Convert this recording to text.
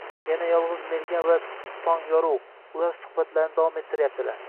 Yana Yolg‘iz Mergan va Tongyorug‘. Ular suhbatlarini davom ettiryaptilar.